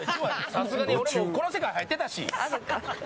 さすがに俺もこの世界入ってたし。